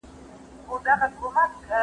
د څلورم منزل زینې د ده لپاره غره غوندې دي.